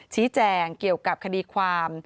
แจ่งเกี่ยวกับคดีความ